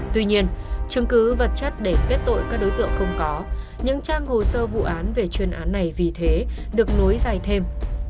tuy nhiên chứng cứ vật chất để kết tội các đối tượng không có những trang hồ sơ vụ án về chuyên án này vì thế được nối dài thêm